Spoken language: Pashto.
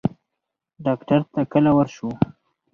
ډاکټر ته کله ورشو؟